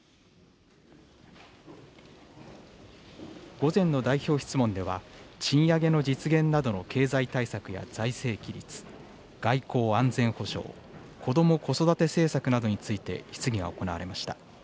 午前の代表質問では、賃上げの実現などの経済対策や財政規律、外交・安全保障、こども・子育て政策などについて、質疑が行われました。